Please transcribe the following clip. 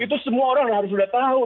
itu semua orang harus sudah tahu